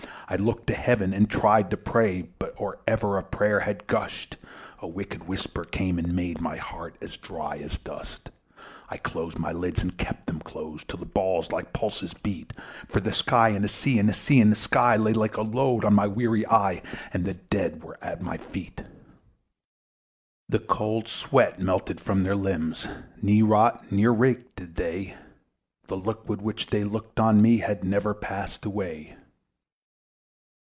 I looked to Heaven, and tried to pray: But or ever a prayer had gusht, A wicked whisper came, and made my heart as dry as dust. I closed my lids, and kept them close, And the balls like pulses beat; For the sky and the sea, and the sea and the sky Lay like a load on my weary eye, And the dead were at my feet. The cold sweat melted from their limbs, Nor rot nor reek did they: The look with which they looked on me Had never passed away.